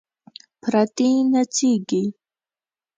پردې نڅیږي